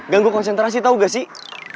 gang gue konsentrasi tau gak sih